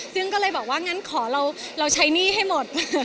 ซึ่งก็เลยบอกว่างั้นขอเราใช้หนี้ให้หมด